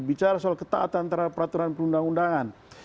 bicara soal ketaatan antara peraturan perundang undangan